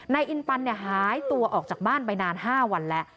นายอินปันหายตัวออกจากบ้านไปนาน๕วันแล้ว